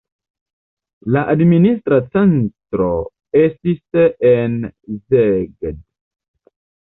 La administra centro estis en Szeged.